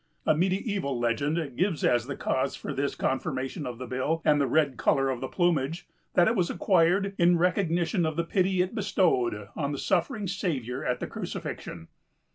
A mediaeval legend gives as the cause for this conformation of the bill and the red color of the plumage that it was acquired "in recognition of the pity it bestowed on the suffering Savior at the Crucifixion."